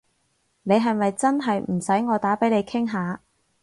你係咪真係唔使我打畀你傾下？